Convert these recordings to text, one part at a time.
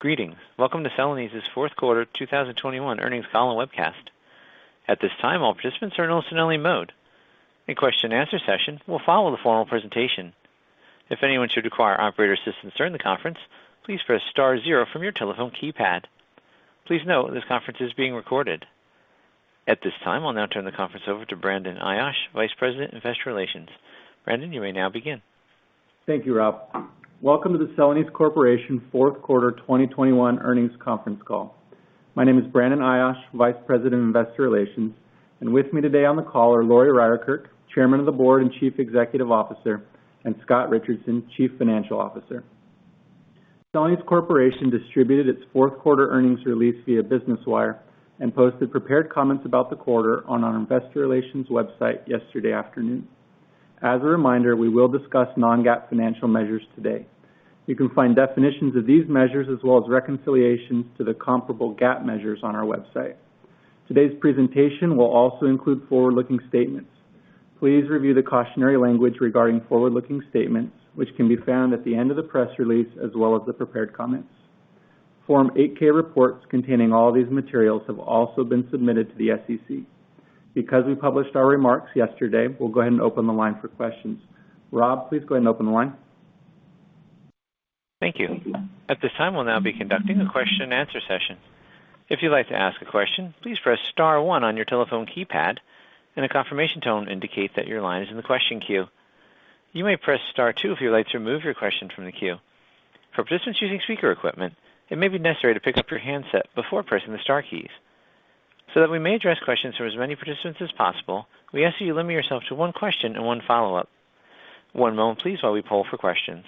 Greetings. Welcome to Celanese's fourth quarter 2021 earnings call and webcast. At this time, all participants are in listen-only mode. A question-and-answer session will follow the formal presentation. If anyone should require operator assistance during the conference, please press star zero from your telephone keypad. Please note this conference is being recorded. At this time, I'll now turn the conference over to Brandon Ayache, Vice President, Investor Relations. Brandon, you may now begin. Thank you, Rob. Welcome to the Celanese Corporation fourth quarter 2021 earnings conference call. My name is Brandon Ayache, Vice President, Investor Relations, and with me today on the call are Lori Ryerkerk, Chairman of the Board and Chief Executive Officer, and Scott Richardson, Chief Financial Officer. Celanese Corporation distributed its fourth quarter earnings release via Business Wire and posted prepared comments about the quarter on our investor relations website yesterday afternoon. As a reminder, we will discuss non-GAAP financial measures today. You can find definitions of these measures as well as reconciliations to the comparable GAAP measures on our website. Today's presentation will also include forward-looking statements. Please review the cautionary language regarding forward-looking statements, which can be found at the end of the press release as well as the prepared comments. Form 8-K reports containing all these materials have also been submitted to the SEC. Because we published our remarks yesterday, we'll go ahead and open the line for questions. Rob, please go ahead and open the line. Thank you. At this time, we'll now be conducting a question-and-answer session. If you'd like to ask a question, please press star one on your telephone keypad, and a confirmation tone will indicate that your line is in the question queue. You may press star two if you'd like to remove your question from the queue. For participants using speaker equipment, it may be necessary to pick up your handset before pressing the star keys. So that we may address questions from as many participants as possible, we ask that you limit yourself to one question and one follow-up. One moment, please, while we poll for questions.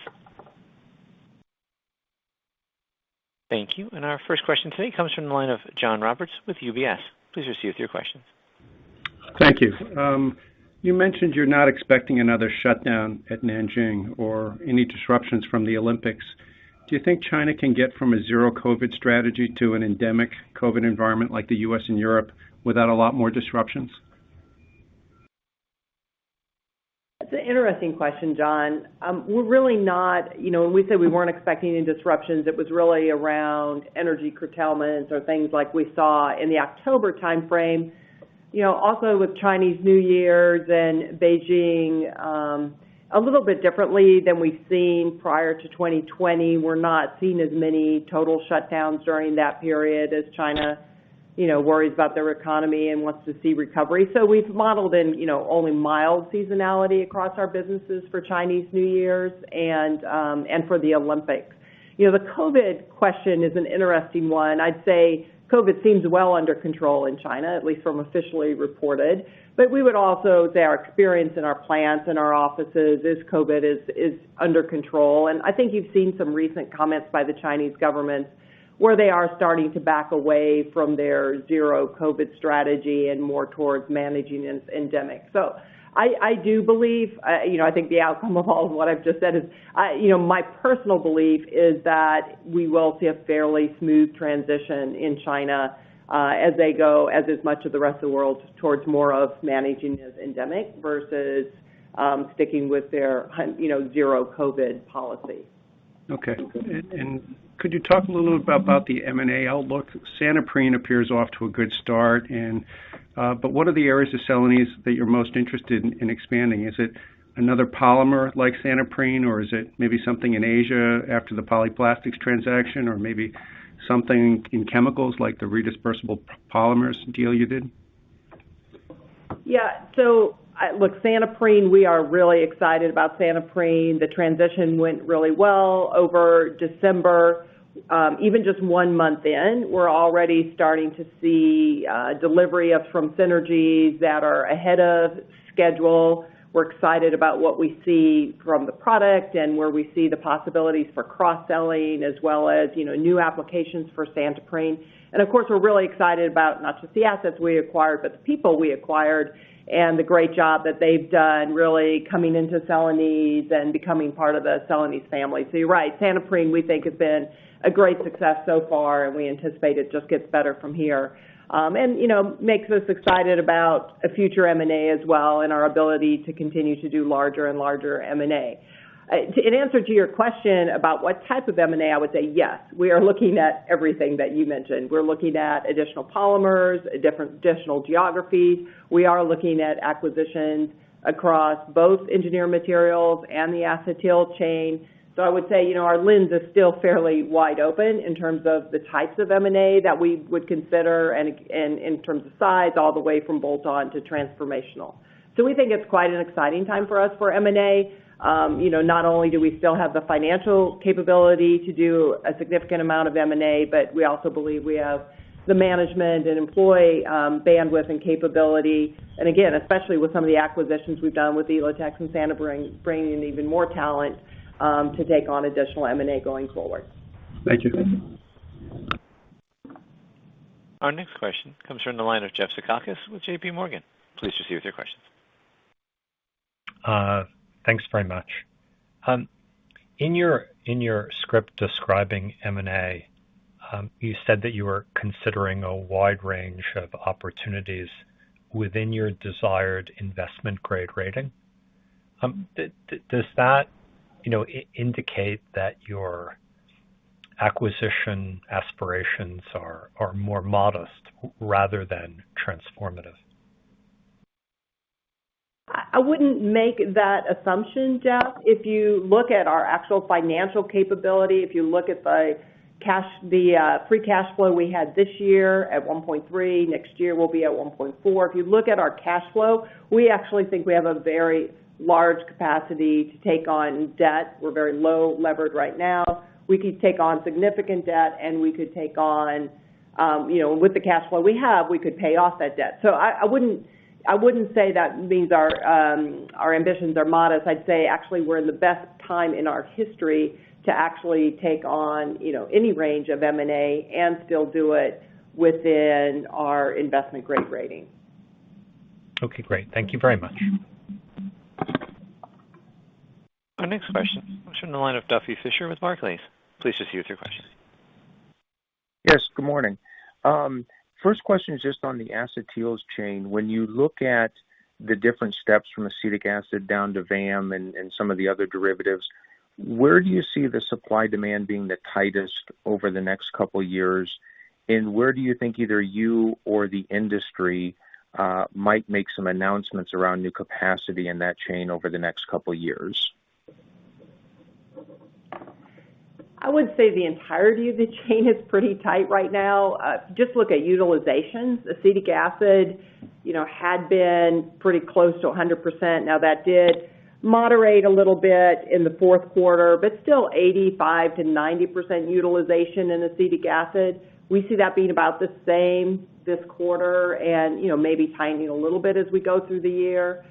Thank you. Our first question today comes from the line of John Roberts with UBS. Please proceed with your question. Thank you. You mentioned you're not expecting another shutdown at Nanjing or any disruptions from the Olympics. Do you think China can get from a zero COVID strategy to an endemic COVID environment like the U.S. and Europe without a lot more disruptions? That's an interesting question, John. You know, when we say we weren't expecting any disruptions, it was really around energy curtailments or things like we saw in the October timeframe. You know, also with Chinese New Year and Beijing, a little bit differently than we've seen prior to 2020, we're not seeing as many total shutdowns during that period as China worries about their economy and wants to see recovery. We've modeled in, you know, only mild seasonality across our businesses for Chinese New Year and for the Olympics. You know, the COVID question is an interesting one. I'd say COVID seems well under control in China, at least from officially reported. We would also say our experience in our plants and our offices is COVID is under control. I think you've seen some recent comments by the Chinese government where they are starting to back away from their zero COVID strategy and more towards managing its endemic. I do believe, you know, I think the outcome of all of what I've just said is, you know, my personal belief is that we will see a fairly smooth transition in China, as they go, as is much of the rest of the world, towards more of managing this endemic versus sticking with their you know, zero COVID policy. Okay. Could you talk a little bit about the M&A outlook? Santoprene appears off to a good start and, but what are the areas of Celanese that you're most interested in expanding? Is it another polymer like Santoprene, or is it maybe something in Asia after the Polyplastics transaction, or maybe something in chemicals like the redispersible polymers deal you did? Yeah. Look, Santoprene, we are really excited about Santoprene. The transition went really well over December. Even just one month in, we're already starting to see delivery of some synergies that are ahead of schedule. We're excited about what we see from the product and where we see the possibilities for cross-selling as well as, you know, new applications for Santoprene. Of course, we're really excited about not just the assets we acquired, but the people we acquired and the great job that they've done really coming into Celanese and becoming part of the Celanese family. You're right, Santoprene, we think, has been a great success so far, and we anticipate it just gets better from here. You know, makes us excited about a future M&A as well and our ability to continue to do larger and larger M&A. In answer to your question about what type of M&A, I would say, yes, we are looking at everything that you mentioned. We're looking at additional polymers, different additional geographies. We are looking at acquisitions across both Engineered Materials and the Acetyl Chain. I would say, you know, our lens is still fairly wide open in terms of the types of M&A that we would consider and in terms of size, all the way from bolt-on to transformational. We think it's quite an exciting time for us for M&A. You know, not only do we still have the financial capability to do a significant amount of M&A, but we also believe we have the management and employee bandwidth and capability, and again, especially with some of the acquisitions we've done with Elotex and Santoprene bringing in even more talent, to take on additional M&A going forward. Thank you. Our next question comes from the line of Jeffrey Zekauskas with JPMorgan. Please proceed with your questions. In your script describing M&A, you said that you were considering a wide range of opportunities within your desired investment grade rating. Does that, you know, indicate that your acquisition aspirations are more modest rather than transformative? I wouldn't make that assumption, Jeff. If you look at our actual financial capability, if you look at the free cash flow we had this year at $1.3 billion, next year we'll be at $1.4 billion. If you look at our cash flow, we actually think we have a very large capacity to take on debt. We're very low levered right now. We could take on significant debt, and we could take on, you know, with the cash flow we have, we could pay off that debt. I wouldn't say that means our ambitions are modest. I'd say actually we're in the best time in our history to actually take on, you know, any range of M&A and still do it within our investment grade rating. Okay, great. Thank you very much. Our next question comes from the line of Duffy Fischer with Barclays. Please proceed with your question. Yes, good morning. First question is just on the Acetyls Chain. When you look at the different steps from acetic acid down to VAM and some of the other derivatives, where do you see the supply-demand being the tightest over the next couple years? Where do you think either you or the industry might make some announcements around new capacity in that chain over the next couple years? I would say the entirety of the chain is pretty tight right now. Just look at utilizations. Acetic acid, you know, had been pretty close to 100%. Now, that did moderate a little bit in the fourth quarter, but still 85%-90% utilization in acetic acid. We see that being about the same this quarter and, you know, maybe tightening a little bit as we go through the year.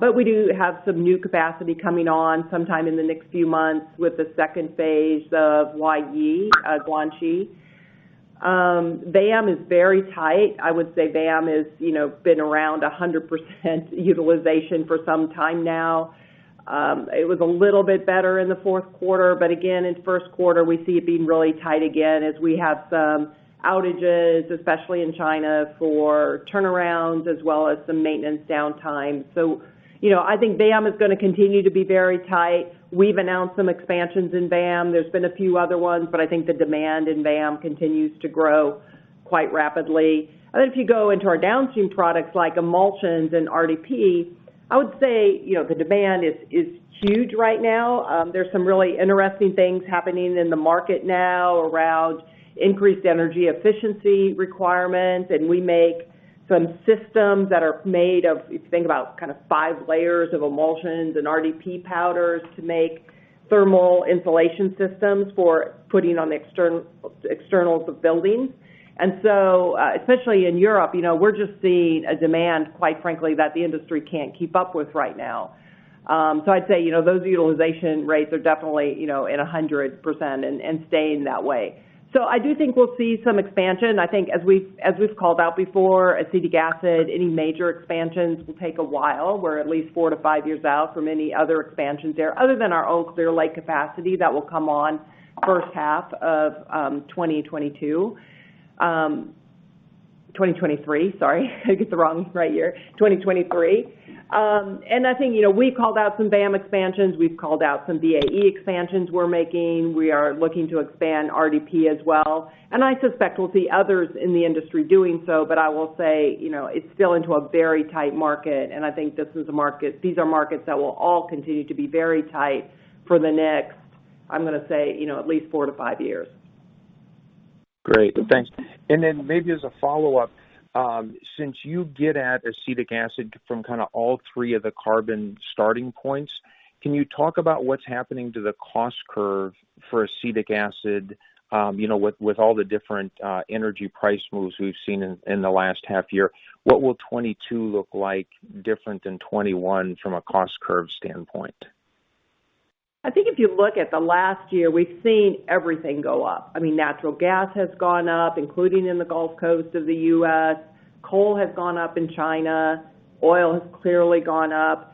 But we do have some new capacity coming on sometime in the next few months with the second phase of Huayi, Guangxi. VAM is very tight. I would say VAM is, you know, been around 100% utilization for some time now. It was a little bit better in the fourth quarter, but again, in first quarter, we see it being really tight again as we have some outages, especially in China for turnarounds as well as some maintenance downtime. You know, I think VAM is gonna continue to be very tight. We've announced some expansions in VAM. There's been a few other ones, but I think the demand in VAM continues to grow quite rapidly. If you go into our downstream products like emulsions and RDP, I would say, you know, the demand is huge right now. There's some really interesting things happening in the market now around increased energy efficiency requirements, and we make some systems that are made of, if you think about kind of five layers of emulsions and RDP powders to make thermal insulation systems for putting on the externals of buildings. Especially in Europe, you know, we're just seeing a demand, quite frankly, that the industry can't keep up with right now. so I'd say, you know, those utilization rates are definitely, you know, 100% and staying that way. I do think we'll see some expansion. I think as we've called out before, acetic acid, any major expansions will take a while. We're at least four-five years out from any other expansions there other than our Clear Lake capacity that will come on first half of 2023. and I think, you know, we called out some VAM expansions. We've called out some VAE expansions we're making. We are looking to expand RDP as well, and I suspect we'll see others in the industry doing so, but I will say, you know, it's still into a very tight market, and I think this is a market these are markets that will all continue to be very tight for the next, I'm gonna say, you know, at least four-five years. Great. Thanks. Then maybe as a follow-up, since you get at acetic acid from kind of all three of the carbon starting points, can you talk about what's happening to the cost curve for acetic acid, you know, with all the different energy price moves we've seen in the last half year? What will 2022 look like different than 2021 from a cost curve standpoint? I think if you look at the last year, we've seen everything go up. I mean, natural gas has gone up, including in the Gulf Coast of the U.S. Coal has gone up in China. Oil has clearly gone up.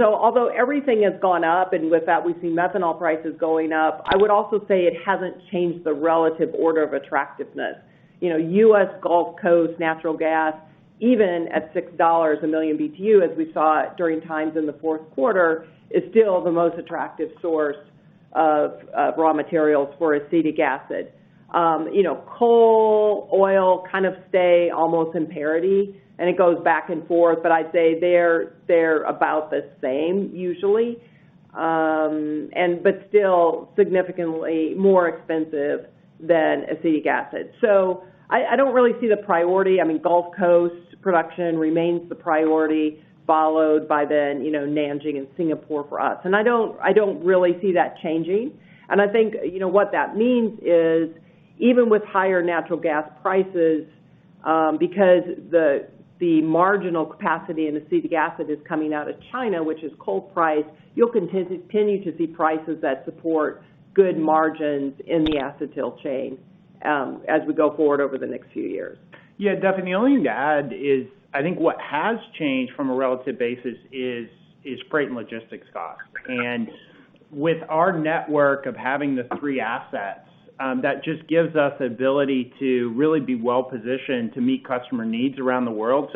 Although everything has gone up, and with that, we've seen methanol prices going up, I would also say it hasn't changed the relative order of attractiveness. You know, U.S. Gulf Coast natural gas, even at $6 a million BTU, as we saw during times in the fourth quarter, is still the most attractive source of raw materials for acetic acid. You know, coal, oil, kind of stay almost in parity, and it goes back and forth. But I'd say they're about the same usually, but still significantly more expensive than acetic acid. I don't really see the priority. I mean, Gulf Coast production remains the priority, followed by then, you know, Nanjing and Singapore for us. I don't really see that changing. I think, you know, what that means is, even with higher natural gas prices, because the marginal capacity in acetic acid is coming out of China, which is coal price, you'll continue to see prices that support good margins in the Acetyl Chain, as we go forward over the next few years. Yeah, Duffy, the only thing to add is I think what has changed from a relative basis is freight and logistics costs. With our network of having the three assets, that just gives us ability to really be well positioned to meet customer needs around the world.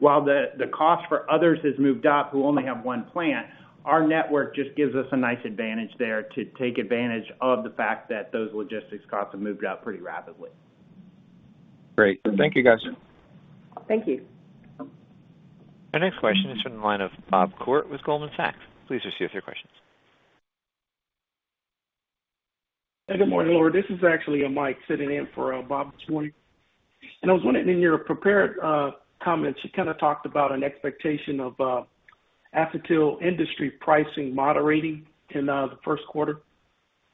While the cost for others has moved up who only have one plant, our network just gives us a nice advantage there to take advantage of the fact that those logistics costs have moved up pretty rapidly. Great. Thank you, guys. Thank you. Our next question is from the line of Bob Koort with Goldman Sachs. Please proceed with your questions. Good morning, Lori. This is actually Mike sitting in for Bob this morning. I was wondering, in your prepared comments, you kind of talked about an expectation of Acetyl industry pricing moderating in the first quarter.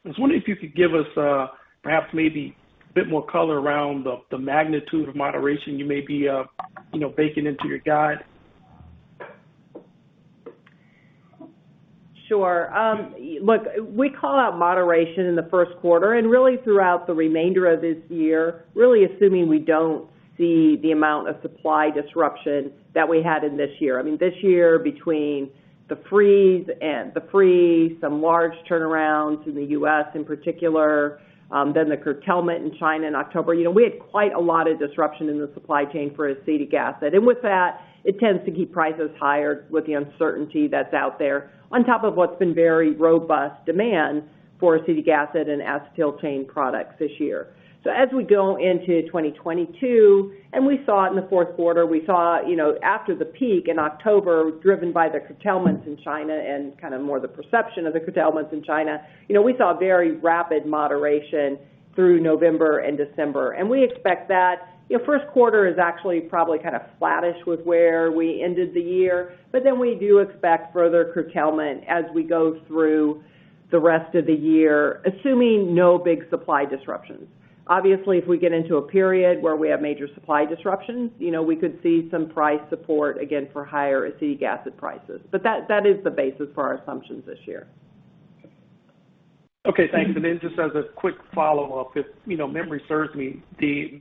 I was wondering if you could give us perhaps maybe a bit more color around the magnitude of moderation you may be you know baking into your guide. Sure. Look, we call out moderation in the first quarter and really throughout the remainder of this year, really assuming we don't see the amount of supply disruption that we had in this year. I mean, this year between the freeze, some large turnarounds in the U.S. in particular, then the curtailment in China in October. You know, we had quite a lot of disruption in the supply chain for acetic acid. With that, it tends to keep prices higher with the uncertainty that's out there on top of what's been very robust demand for acetic acid and Acetyl Chain products this year. As we go into 2022, and we saw it in the fourth quarter, we saw, you know, after the peak in October, driven by the curtailments in China and kind of more the perception of the curtailments in China, you know, we saw very rapid moderation through November and December. We expect that. You know, first quarter is actually probably kind of flattish with where we ended the year. Then we do expect further curtailment as we go through the rest of the year, assuming no big supply disruptions. Obviously, if we get into a period where we have major supply disruptions, you know, we could see some price support again for higher acetic acid prices. That is the basis for our assumptions this year. Okay, thanks. Just as a quick follow-up, if, you know, memory serves me,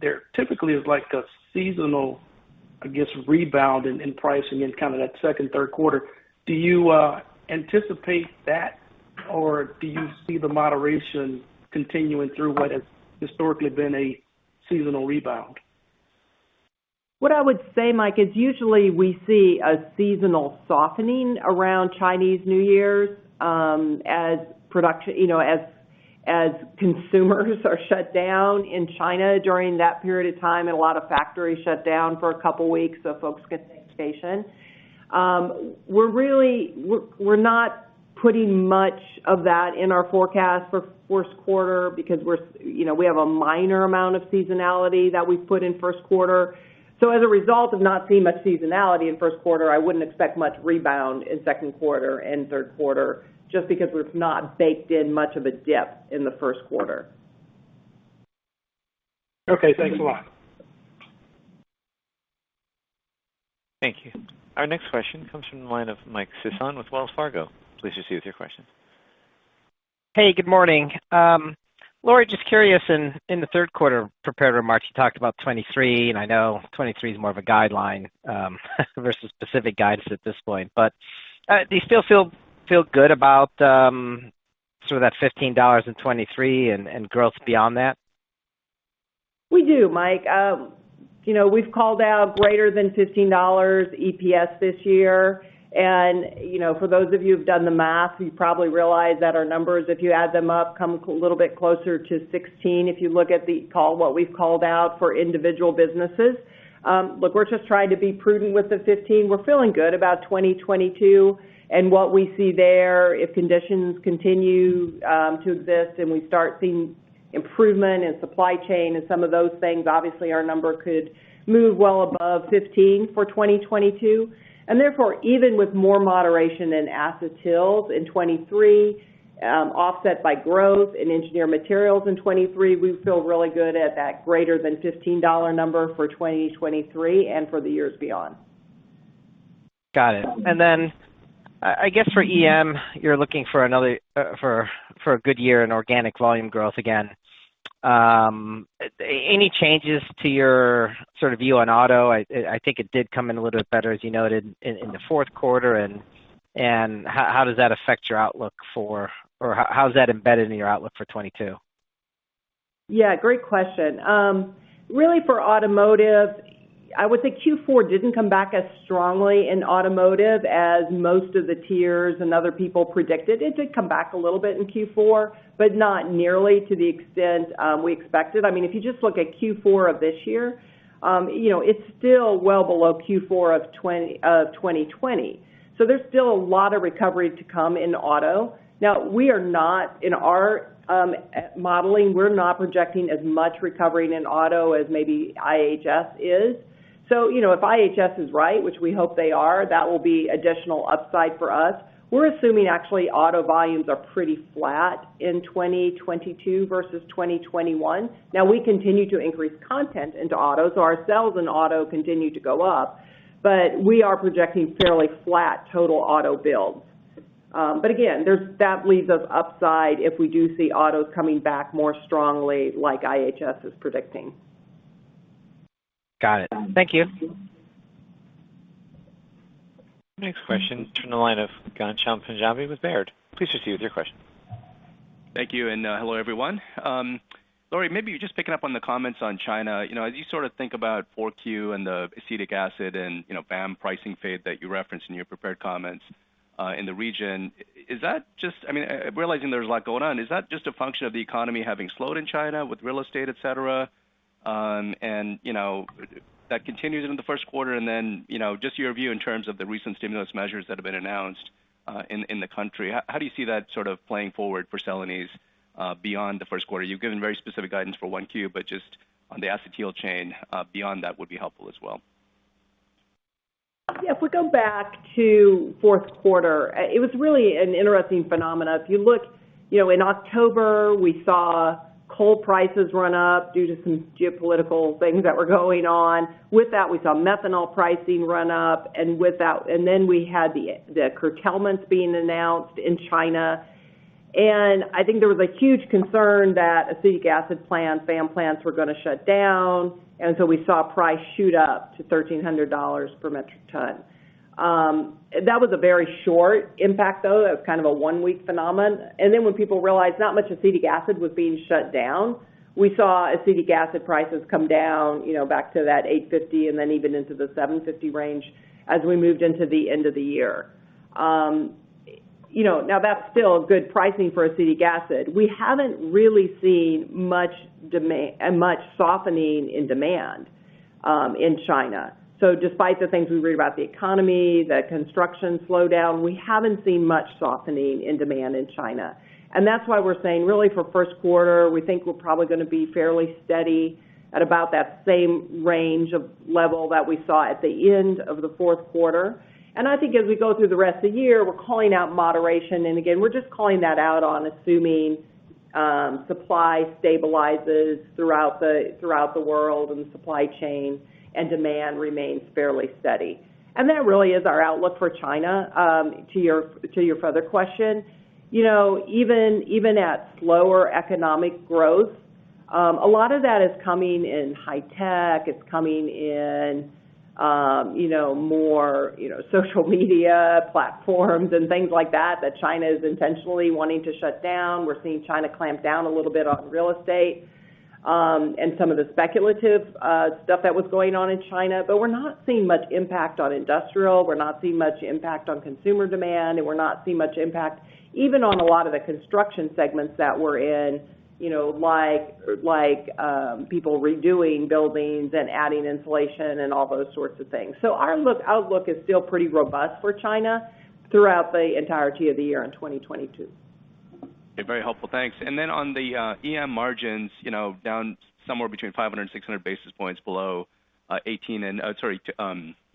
there typically is like a seasonal, I guess, rebound in pricing in kind of that second, third quarter. Do you anticipate that, or do you see the moderation continuing through what has historically been a seasonal rebound? What I would say, Mike, is usually we see a seasonal softening around Chinese New Year, you know, as producers are shut down in China during that period of time, and a lot of factories shut down for a couple weeks so folks can take vacation. We're not putting much of that in our forecast for first quarter because, you know, we have a minor amount of seasonality that we've put in first quarter. As a result of not seeing much seasonality in first quarter, I wouldn't expect much rebound in second quarter and third quarter just because we've not baked in much of a dip in the first quarter. Okay, thanks a lot. Thank you. Our next question comes from the line of Mike Sison with Wells Fargo. Please proceed with your question. Hey, good morning. Lori, just curious, in the third quarter prepared remarks, you talked about 2023, and I know 2023 is more of a guideline versus specific guidance at this point. Do you still feel good about sort of that $15 in 2023 and growth beyond that? We do, Mike. You know, we've called out greater than $15 EPS this year. You know, for those of you who've done the math, you probably realize that our numbers, if you add them up, come a little bit closer to $16 if you look at the call, what we've called out for individual businesses. Look, we're just trying to be prudent with the $15. We're feeling good about 2022 and what we see there. If conditions continue to exist and we start seeing improvement in supply chain and some of those things, obviously our number could move well above $15 for 2022. Therefore, even with more moderation in Acetyls in 2023, offset by growth in Engineered Materials in 2023, we feel really good at that greater than $15 number for 2023 and for the years beyond. Got it. I guess for EM, you're looking for another for a good year in organic volume growth again. Any changes to your sort of view on auto? I think it did come in a little bit better, as you noted in the fourth quarter. How does that affect your outlook, or how's that embedded in your outlook for 2022? Yeah, great question. Really for automotive, I would say Q4 didn't come back as strongly in automotive as most of the tiers and other people predicted. It did come back a little bit in Q4, but not nearly to the extent we expected. I mean, if you just look at Q4 of this year, you know, it's still well below Q4 of 2020. So there's still a lot of recovery to come in auto. Now, in our modeling, we're not projecting as much recovery in auto as maybe IHS is. So, you know, if IHS is right, which we hope they are, that will be additional upside for us. We're assuming actually auto volumes are pretty flat in 2022 versus 2021. Now, we continue to increase content into auto, so our sales in auto continue to go up, but we are projecting fairly flat total auto builds. Again, that leaves us upside if we do see autos coming back more strongly like IHS is predicting. Got it. Thank you. Next question from the line of Ghansham Panjabi with Baird. Please proceed with your question. Thank you, and hello, everyone. Lori, maybe just picking up on the comments on China. You know, as you sort of think about 4Q and the acetic acid and VAM pricing fate that you referenced in your prepared comments in the region. Is that just I mean, realizing there's a lot going on, is that just a function of the economy having slowed in China with real estate, et cetera? You know, that continues into the first quarter, and then just your view in terms of the recent stimulus measures that have been announced in the country. How do you see that sort of playing forward for Celanese beyond the first quarter? You've given very specific guidance for 1Q, but just on the Acetyl Chain beyond that would be helpful as well. Yeah. If we go back to fourth quarter, it was really an interesting phenomenon. If you look, you know, in October, we saw coal prices run up due to some geopolitical things that were going on. With that, we saw methanol pricing run up, and with that we had the curtailments being announced in China. I think there was a huge concern that acetic acid plants, VAM plants were gonna shut down, and so we saw price shoot up to $1,300 per metric ton. That was a very short impact, though. It was kind of a one-week phenomenon. When people realized not much acetic acid was being shut down, we saw acetic acid prices come down, you know, back to that $850, and then even into the $750 range as we moved into the end of the year. You know, now that's still good pricing for acetic acid. We haven't really seen much softening in demand in China. Despite the things we read about the economy, the construction slowdown, we haven't seen much softening in demand in China. That's why we're saying really for first quarter, we think we're probably gonna be fairly steady at about that same range of level that we saw at the end of the fourth quarter. I think as we go through the rest of the year, we're calling out moderation. We're just calling that out on assuming supply stabilizes throughout the world and supply chain and demand remains fairly steady. That really is our outlook for China to your further question. You know, even at slower economic growth, a lot of that is coming in high tech. It's coming in, you know, more, you know, social media platforms and things like that China is intentionally wanting to shut down. We're seeing China clamp down a little bit on real estate, and some of the speculative, stuff that was going on in China. But we're not seeing much impact on industrial. We're not seeing much impact on consumer demand, and we're not seeing much impact even on a lot of the construction segments that we're in, you know, like, people redoing buildings and adding insulation and all those sorts of things. Our outlook is still pretty robust for China throughout the entirety of the year in 2022. Very helpful. Thanks. On the EM margins, down somewhere between 500 and 600 basis points below 2018 and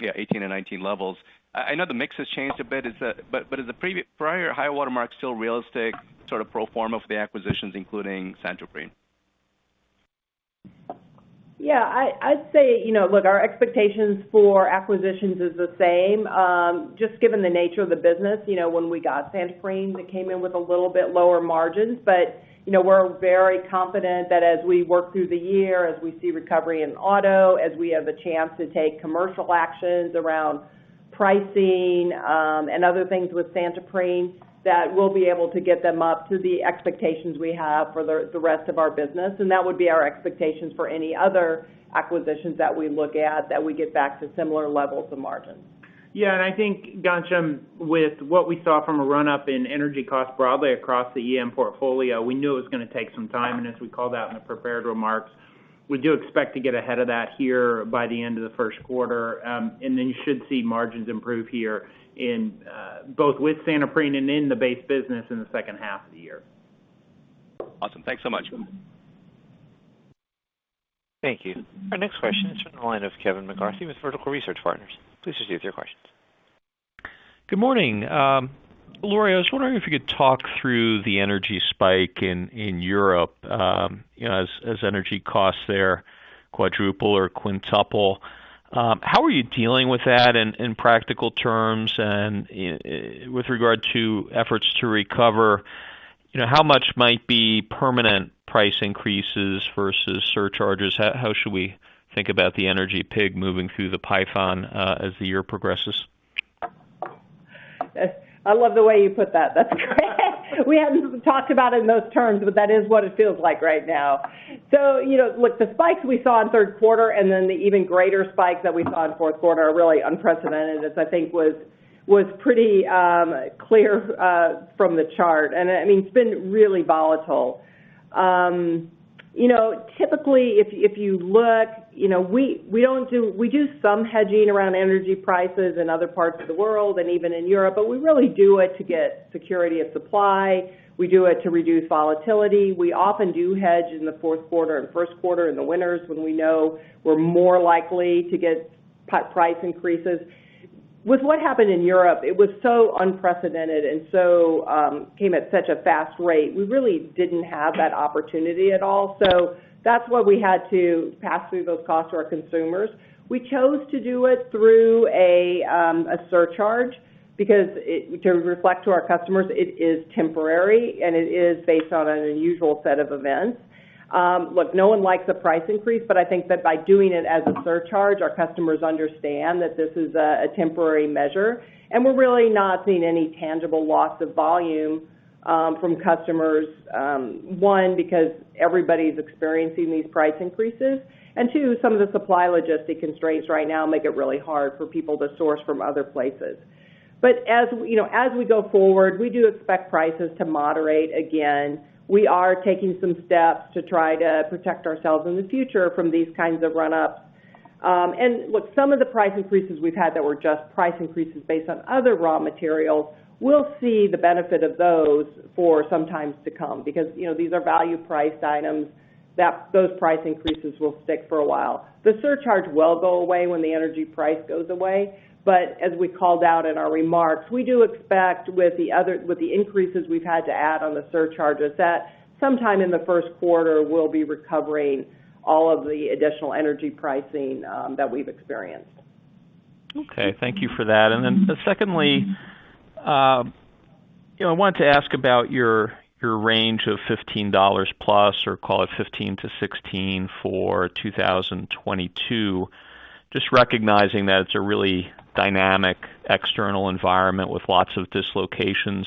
2019 levels. I know the mix has changed a bit. Is the prior high water mark still realistic sort of pro forma for the acquisitions, including Santoprene? Yeah. I'd say, you know, look, our expectations for acquisitions is the same, just given the nature of the business. You know, when we got Santoprene, it came in with a little bit lower margins. You know, we're very confident that as we work through the year, as we see recovery in auto, as we have a chance to take commercial actions around pricing, and other things with Santoprene, that we'll be able to get them up to the expectations we have for the rest of our business. That would be our expectations for any other acquisitions that we look at, that we get back to similar levels of margins. Yeah. I think, Ghansham, with what we saw from a run-up in energy costs broadly across the EM portfolio, we knew it was gonna take some time, and as we called out in the prepared remarks, we do expect to get ahead of that here by the end of the first quarter. Then you should see margins improve here in both with Santoprene and in the base business in the second half of the year. Awesome. Thanks so much. Thank you. Our next question is from the line of Kevin McCarthy with Vertical Research Partners. Please proceed with your questions. Good morning. Lori, I was wondering if you could talk through the energy spike in Europe, you know, as energy costs there quadruple or quintuple. How are you dealing with that in practical terms? With regard to efforts to recover, you know, how much might be permanent price increases versus surcharges? How should we think about the energy pig moving through the python as the year progresses? Yes. I love the way you put that. That's great. We hadn't talked about it in those terms, but that is what it feels like right now. You know, look, the spikes we saw in third quarter and then the even greater spike that we saw in fourth quarter are really unprecedented, as I think was pretty clear from the chart. I mean, it's been really volatile. You know, typically, if you look, we do some hedging around energy prices in other parts of the world and even in Europe, but we really do it to get security of supply. We do it to reduce volatility. We often do hedge in the fourth quarter and first quarter in the winters when we know we're more likely to get price increases. With what happened in Europe, it was so unprecedented and so came at such a fast rate. We really didn't have that opportunity at all. That's why we had to pass through those costs to our consumers. We chose to do it through a surcharge because to reflect to our customers it is temporary and it is based on an unusual set of events. Look, no one likes a price increase, but I think that by doing it as a surcharge, our customers understand that this is a temporary measure, and we're really not seeing any tangible loss of volume from customers, one, because everybody's experiencing these price increases, and two, some of the supply logistic constraints right now make it really hard for people to source from other places. You know, as we go forward, we do expect prices to moderate again. We are taking some steps to try to protect ourselves in the future from these kinds of run ups. Look, some of the price increases we've had that were just price increases based on other raw materials, we'll see the benefit of those for some times to come because, you know, these are value priced items that those price increases will stick for a while. The surcharge will go away when the energy price goes away. As we called out in our remarks, we do expect with the increases we've had to add on the surcharges, that sometime in the first quarter we'll be recovering all of the additional energy pricing that we've experienced. Okay. Thank you for that. Secondly, you know, I wanted to ask about your range of $15+ or call it $15-$16 for 2022. Just recognizing that it's a really dynamic external environment with lots of dislocations.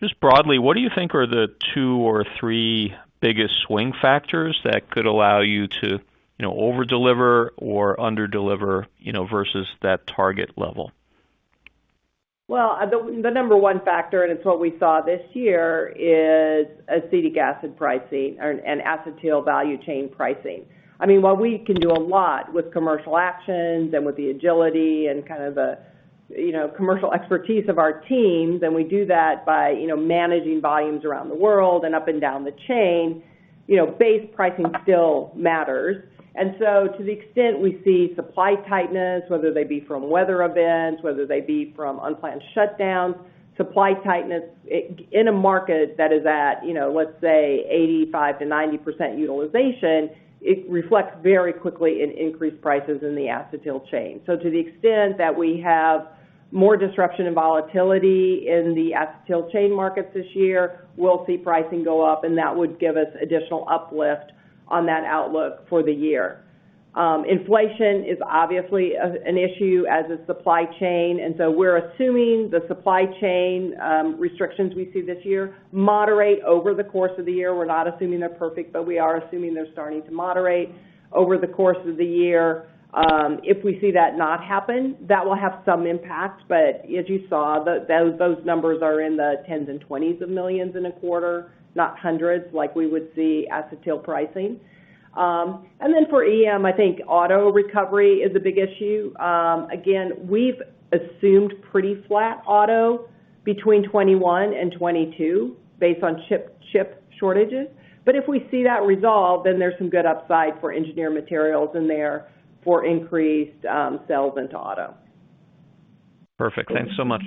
Just broadly, what do you think are the two or three biggest swing factors that could allow you to, you know, overdeliver or underdeliver, you know, versus that target level? Well, the number one factor, and it's what we saw this year, is acetic acid pricing and Acetyl value chain pricing. I mean, while we can do a lot with commercial actions and with the agility and kind of the, you know, commercial expertise of our teams, and we do that by, you know, managing volumes around the world and up and down the chain, you know, base pricing still matters. To the extent we see supply tightness, whether they be from weather events, whether they be from unplanned shutdowns, supply tightness in a market that is at, you know, let's say 85%-90% utilization, it reflects very quickly in increased prices in the Acetyl Chain. To the extent that we have more disruption and volatility in the Acetyl Chain markets this year, we'll see pricing go up, and that would give us additional uplift on that outlook for the year. Inflation is obviously an issue as is supply chain, and so we're assuming the supply chain restrictions we see this year moderate over the course of the year. We're not assuming they're perfect, but we are assuming they're starting to moderate over the course of the year. If we see that not happen, that will have some impact. As you saw, those numbers are in the tens and twenties of millions in a quarter, not hundreds like we would see Acetyl pricing. For EM, I think auto recovery is a big issue. Again, we've assumed pretty flat auto between 21 and 22 based on chip shortages. If we see that resolved, then there's some good upside for Engineered Materials in there for increased sales into auto. Perfect. Thanks so much.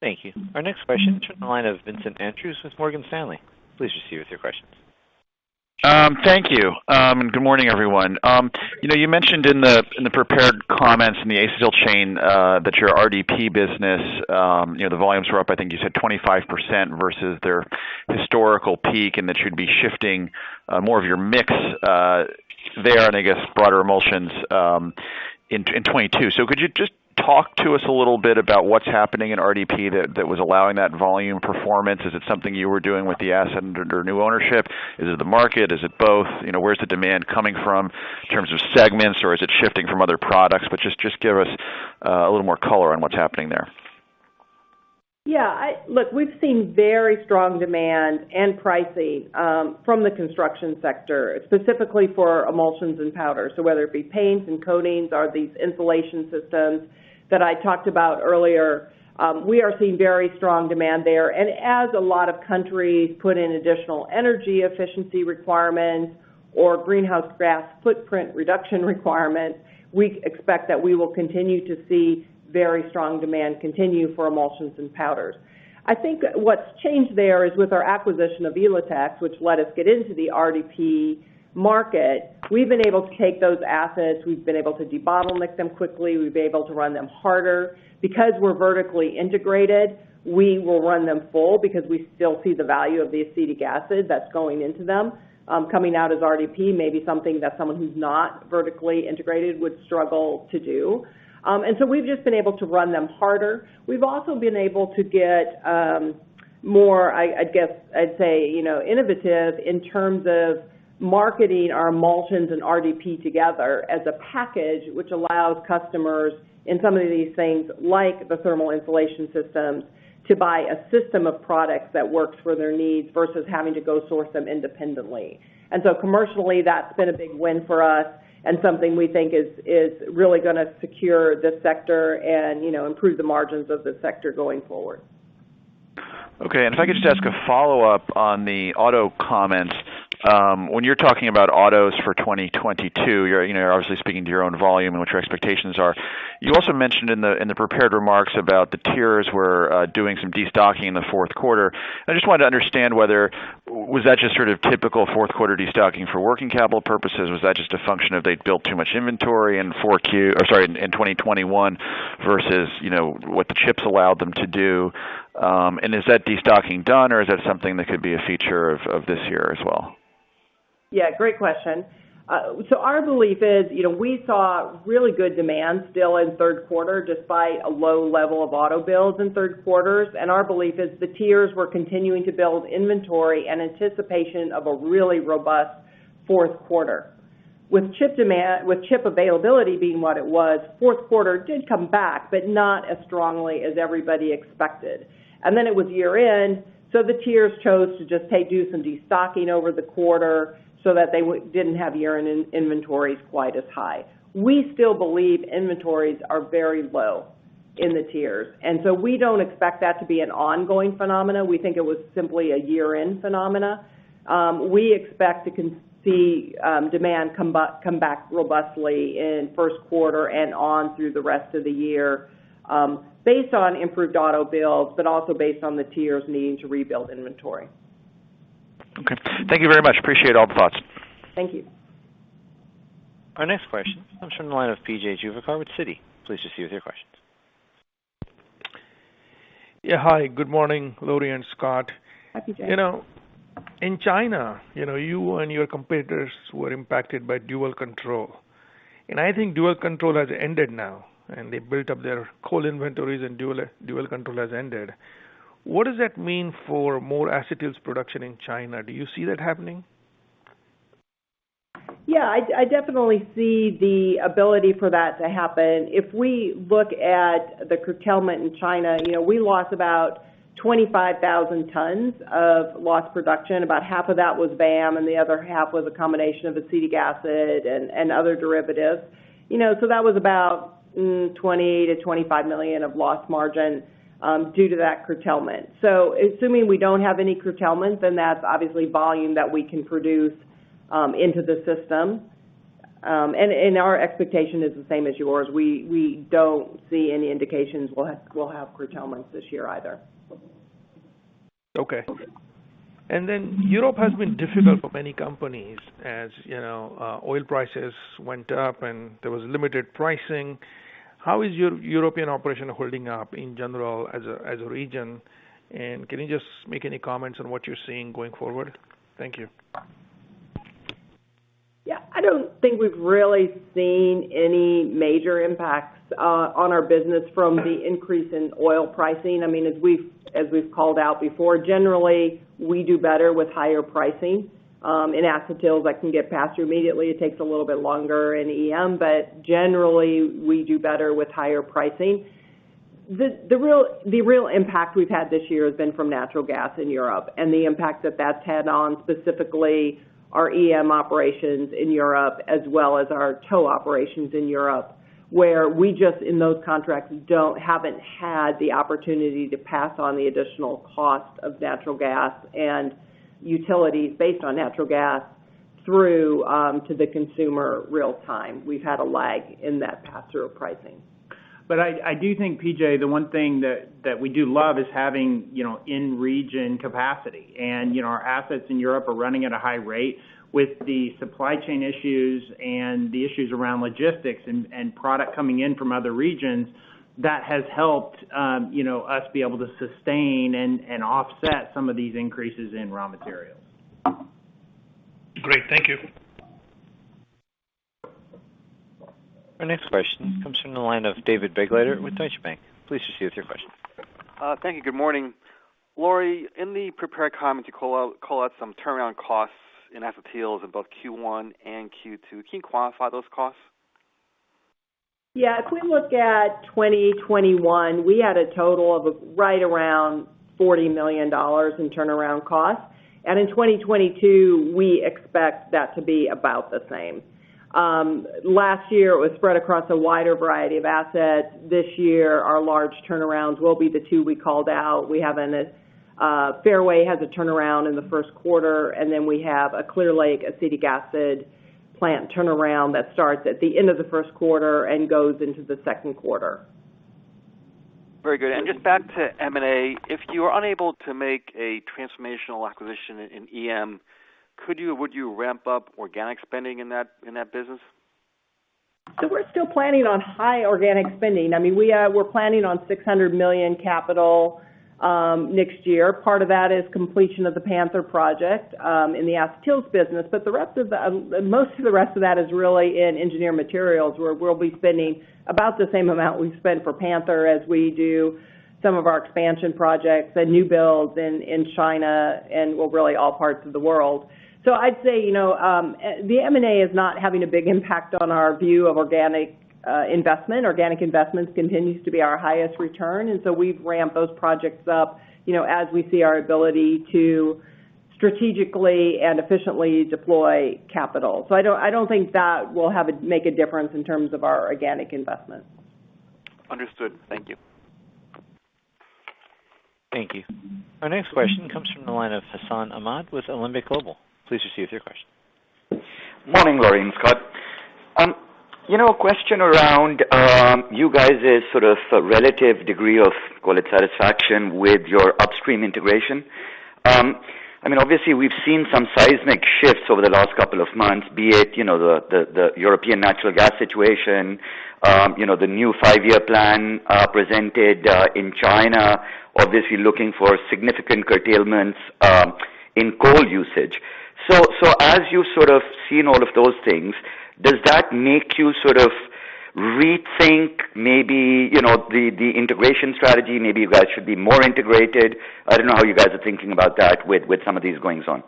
Thank you. Our next question comes to the line of Vincent Andrews with Morgan Stanley. Please proceed with your question. Thank you. Good morning, everyone. You know, you mentioned in the prepared comments in the Acetyl Chain that your RDP business, you know, the volumes were up, I think you said 25% versus their historical peak, and that you'd be shifting more of your mix there and I guess broader emulsions in 2022. Could you just talk to us a little bit about what's happening in RDP that was allowing that volume performance? Is it something you were doing with the asset under new ownership? Is it the market? Is it both? You know, where's the demand coming from in terms of segments, or is it shifting from other products? But just give us a little more color on what's happening there. Yeah, look, we've seen very strong demand and pricing from the construction sector, specifically for emulsions and powders. Whether it be paints and coatings or these insulation systems that I talked about earlier, we are seeing very strong demand there. As a lot of countries put in additional energy efficiency requirements or greenhouse gas footprint reduction requirements, we expect that we will continue to see very strong demand continue for emulsions and powders. I think what's changed there is with our acquisition of Elotex, which let us get into the RDP market, we've been able to take those assets, we've been able to debottleneck them quickly, we've been able to run them harder. Because we're vertically integrated, we will run them full because we still see the value of the acetic acid that's going into them, coming out as RDP, maybe something that someone who's not vertically integrated would struggle to do. We've just been able to run them harder. We've also been able to get more, I guess I'd say, you know, innovative in terms of marketing our emulsions and RDP together as a package which allows customers in some of these things, like the thermal insulation systems, to buy a system of products that works for their needs versus having to go source them independently. Commercially, that's been a big win for us and something we think is really gonna secure this sector and, you know, improve the margins of this sector going forward. Okay. If I could just ask a follow-up on the auto comments. When you're talking about autos for 2022, you know, obviously speaking to your own volume and what your expectations are. You also mentioned in the prepared remarks about the tiers were doing some destocking in the fourth quarter. I just wanted to understand whether that was just sort of typical fourth quarter destocking for working capital purposes? Was that just a function of they'd built too much inventory in 2021 versus, you know, what the chips allowed them to do? Is that destocking done or is that something that could be a feature of this year as well? Yeah, great question. Our belief is, you know, we saw really good demand still in third quarter, just by a low level of auto builds in third quarter. Our belief is the tiers were continuing to build inventory in anticipation of a really robust fourth quarter. With chip availability being what it was, fourth quarter did come back, but not as strongly as everybody expected. It was year-end, so the tiers chose to just do some destocking over the quarter so that they didn't have year-end inventories quite as high. We still believe inventories are very low in the tiers, and so we don't expect that to be an ongoing phenomenon. We think it was simply a year-end phenomenon. We expect to see demand come back robustly in first quarter and on through the rest of the year, based on improved auto builds, but also based on the tiers needing to rebuild inventory. Okay. Thank you very much. Appreciate all the thoughts. Thank you. Our next question comes from the line of P.J. Juvekar with Citi. Please proceed with your question. Yeah, hi, good morning, Lori and Scott. Hi, P.J. You know, in China, you know, you and your competitors were impacted by dual control. I think dual control has ended now, and they built up their coal inventories and dual control has ended. What does that mean for more Acetyls production in China? Do you see that happening? Yeah. I definitely see the ability for that to happen. If we look at the curtailment in China, you know, we lost about 25,000 tons of lost production. About half of that was VAM, and the other half was a combination of acetic acid and other derivatives. You know, that was about $20 million-$25 million of lost margin due to that curtailment. Assuming we don't have any curtailment, then that's obviously volume that we can produce into the system. Our expectation is the same as yours. We don't see any indications we'll have curtailments this year either. Okay. Europe has been difficult for many companies, as you know, oil prices went up and there was limited pricing. How is your European operation holding up in general as a region? Can you just make any comments on what you're seeing going forward? Thank you. Yeah. I don't think we've really seen any major impacts on our business from the increase in oil pricing. I mean, as we've called out before, generally, we do better with higher pricing. In Acetyls, that can get passed through immediately. It takes a little bit longer in EM. Generally, we do better with higher pricing. The real impact we've had this year has been from natural gas in Europe and the impact that that's had on specifically our EM operations in Europe, as well as our tow operations in Europe, where we just, in those contracts, haven't had the opportunity to pass on the additional cost of natural gas and utilities based on natural gas through to the consumer real time. We've had a lag in that pass-through pricing. I do think, P.J., the one thing that we do love is having, you know, in-region capacity. You know, our assets in Europe are running at a high rate. With the supply chain issues and the issues around logistics and product coming in from other regions, that has helped, you know, us be able to sustain and offset some of these increases in raw materials. Great. Thank you. Our next question comes from the line of David Begleiter with Deutsche Bank. Please proceed with your question. Thank you. Good morning. Lori, in the prepared comments, you call out some turnaround costs in Acetyls in both Q1 and Q2. Can you quantify those costs? If we look at 2021, we had a total of right around $40 million in turnaround costs. In 2022, we expect that to be about the same. Last year, it was spread across a wider variety of assets. This year, our large turnarounds will be the two we called out. Fairway has a turnaround in the first quarter, and then we have a Clear Lake acetic acid plant turnaround that starts at the end of the first quarter and goes into the second quarter. Very good. Just back to M&A. If you are unable to make a transformational acquisition in EM, could you, would you ramp up organic spending in that business? We're still planning on high organic spending. We're planning on $600 million capital next year. Part of that is completion of the Panther project in the Acetyls business. Most of the rest of that is really in Engineered Materials, where we'll be spending about the same amount we spent for Panther as we do some of our expansion projects and new builds in China and, well, really all parts of the world. I'd say, you know, the M&A is not having a big impact on our view of organic investment. Organic investments continues to be our highest return. We've ramped those projects up, you know, as we see our ability to strategically and efficiently deploy capital. I don't think that will make a difference in terms of our organic investments. Understood. Thank you. Thank you. Our next question comes from the line of Hassan Ahmed with Alembic Global. Please go ahead with your question. Morning, Lori and Scott. You know, a question around you guys' sort of relative degree of, call it satisfaction, with your upstream integration. I mean, obviously, we've seen some seismic shifts over the last couple of months, be it, you know, the European natural gas situation, you know, the new five-year plan presented in China, obviously looking for significant curtailments in coal usage. As you sort of seen all of those things, does that make you sort of rethink maybe, you know, the integration strategy? Maybe you guys should be more integrated. I don't know how you guys are thinking about that with some of these goings on.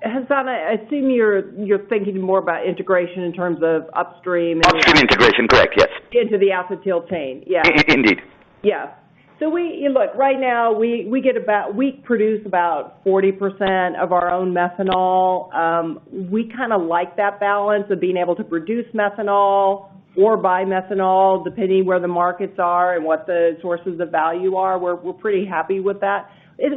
Hassan, I assume you're thinking more about integration in terms of upstream and. Upstream integration, correct, yes. Into the Acetyl Chain. Yeah. In-in-indeed. Yes. Look, right now, we produce about 40% of our own methanol. We kinda like that balance of being able to produce methanol or buy methanol, depending where the markets are and what the sources of value are. We're pretty happy with that.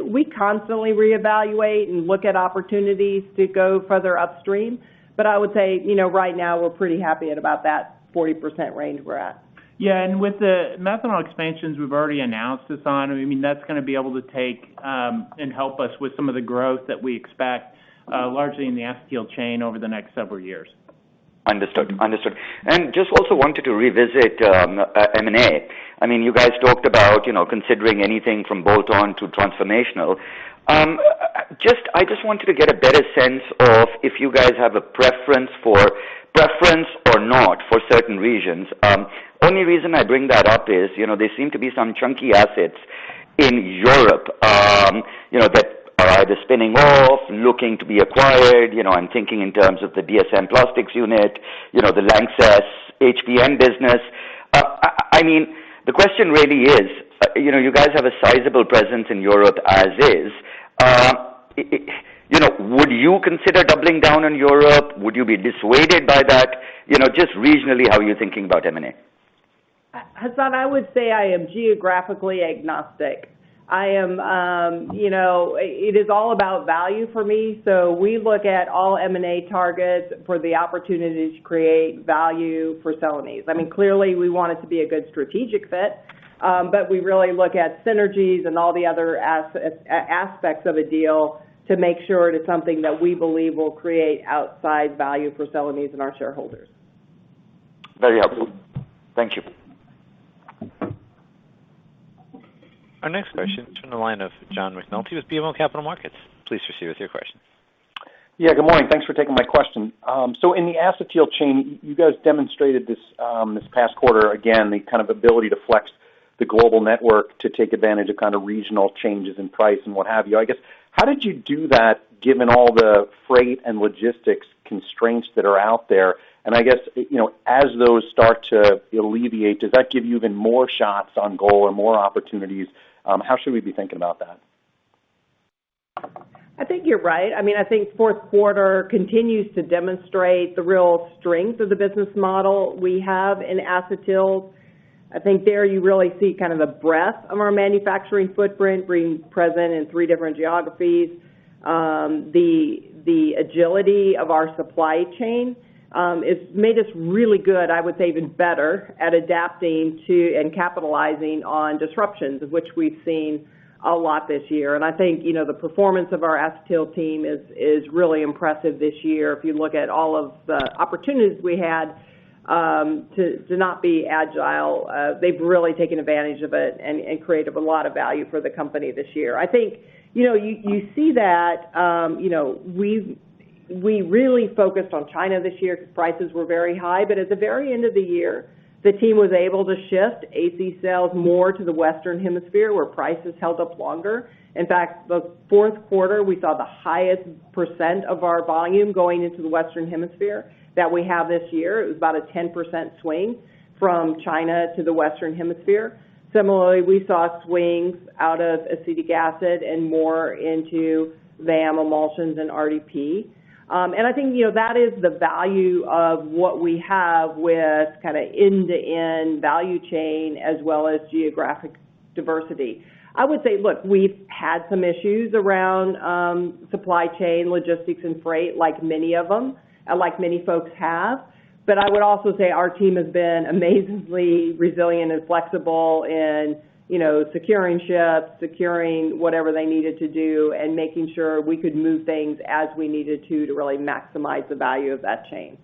We constantly reevaluate and look at opportunities to go further upstream. I would say, you know, right now, we're pretty happy at about that 40% range we're at. Yeah. With the methanol expansions we've already announced, Hassan, I mean, that's gonna be able to take and help us with some of the growth that we expect, largely in the Acetyl Chain over the next several years. Understood. Just also wanted to revisit M&A. I mean, you guys talked about, you know, considering anything from bolt-on to transformational. Just, I just wanted to get a better sense of if you guys have a preference or not for certain regions. Only reason I bring that up is, you know, there seem to be some chunky assets in Europe, you know, that are either spinning off, looking to be acquired. You know, I'm thinking in terms of the DSM Plastics unit, you know, the LANXESS HPM business. I mean, the question really is, you know, you guys have a sizable presence in Europe as is. You know, would you consider doubling down on Europe? Would you be dissuaded by that? You know, just regionally, how are you thinking about M&A? Hassan, I would say I am geographically agnostic. I am, you know, it is all about value for me. We look at all M&A targets for the opportunity to create value for Celanese. I mean, clearly, we want it to be a good strategic fit, but we really look at synergies and all the other aspects of a deal to make sure it is something that we believe will create outsized value for Celanese and our shareholders. Very helpful. Thank you. Our next question is from the line of John McNulty with BMO Capital Markets. Please proceed with your question. Yeah, good morning. Thanks for taking my question. In the Acetyl Chain, you guys demonstrated this past quarter, again, the kind of ability to flex the global network to take advantage of kind of regional changes in price and what have you. I guess, how did you do that given all the freight and logistics constraints that are out there? I guess, you know, as those start to alleviate, does that give you even more shots on goal or more opportunities? How should we be thinking about that? I think you're right. I mean, I think fourth quarter continues to demonstrate the real strength of the business model we have in Acetyls. I think there you really see kind of the breadth of our manufacturing footprint being present in three different geographies. The agility of our supply chain, it's made us really good, I would say even better, at adapting to and capitalizing on disruptions, of which we've seen a lot this year. I think, you know, the performance of our Acetyls team is really impressive this year. If you look at all of the opportunities we had to not be agile, they've really taken advantage of it and created a lot of value for the company this year. I think, you know, you see that, you know, we've really focused on China this year 'cause prices were very high. At the very end of the year, the team was able to shift AC sales more to the Western Hemisphere, where prices held up longer. In fact, the fourth quarter, we saw the highest percent of our volume going into the Western Hemisphere that we have this year. It was about a 10% swing from China to the Western Hemisphere. Similarly, we saw swings out of acetic acid and more into VAM emulsions and RDP. I think, you know, that is the value of what we have with kinda end-to-end value chain as well as geographic diversity. I would say, look, we've had some issues around supply chain, logistics, and freight, like many of them, like many folks have. I would also say our team has been amazingly resilient and flexible in, you know, securing ships, securing whatever they needed to do, and making sure we could move things as we needed to really maximize the value of that chain.